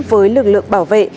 với lực lượng bảo vệ